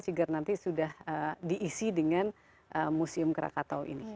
sigar nanti sudah diisi dengan museum krakatau ini